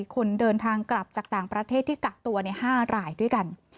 คนเดินทางกลับจากต่างประเทศที่กักตัว๕รายด้วยกัน